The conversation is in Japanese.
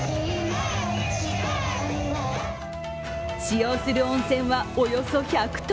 使用する温泉はおよそ１００ｔ。